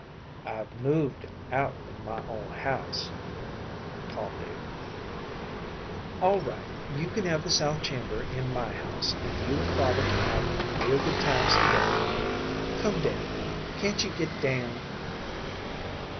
"I've moved out of my old house," called David. "All right, you can have the south chamber in my house, and you and father can have real good times together. Come down. Can you git down?"